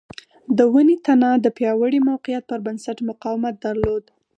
د ونې تنه د پیاوړي موقعیت پر بنسټ مقاومت درلود.